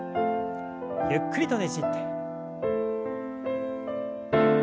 ゆっくりとねじって。